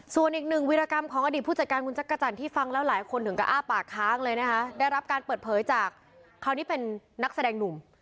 ส่วนอีกหนึ่งวิรากรรมของอดีตผู้จัดการคุณจักรจันทร์ที่ฟังแล้วหลายคนถึงก็อ้าปากค้างเลยนะคะได้รับการเปิดเผยจากคราวนี้เป็นนักแสดงหนุ่ม